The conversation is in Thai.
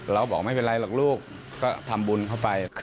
เราบอกไม่เป็นไรหรอกลูกก็ทำบุญเข้าไป